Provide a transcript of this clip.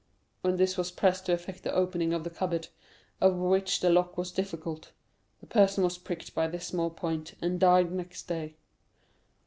When this was pressed to effect the opening of the cupboard, of which the lock was difficult, the person was pricked by this small point, and died next day.